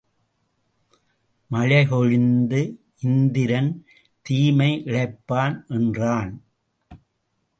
மழை பொழிந்து இந்திரன் தீமை இழைப்பான் என்றான்.